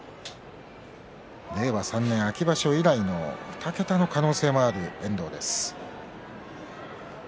令和３年秋場所以来の２桁の可能性がある遠藤です。